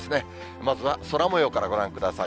まずは空もようからご覧ください。